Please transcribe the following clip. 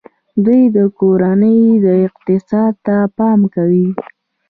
دوی د کورنۍ اقتصاد ته پام کوي.